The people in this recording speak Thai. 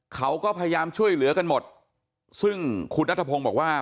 เขาก็พยายามช่วยเหลือกันหมดซึ่งคุณนัทพงศ์บอกว่า